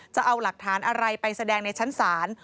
จะเอาหลักฐานอะไรไปแสดงในชั้นศาล